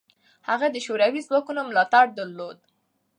هغه د شوروي ځواکونو ملاتړ درلود.